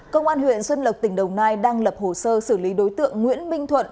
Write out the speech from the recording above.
công an huyện xuân lộc tỉnh đồng nai đang lập hồ sơ xử lý đối tượng nguyễn minh thuận